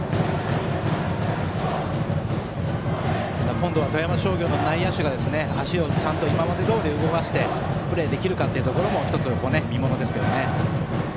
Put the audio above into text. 今度は富山商業の内野手が足をちゃんと今までどおり動かしてプレーできるかが１つ見ものですよね。